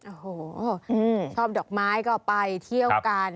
โอ้โหชอบดอกไม้ก็ไปเที่ยวกัน